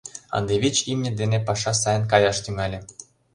Ынде вич имне дене паша сайын каяш тӱҥале.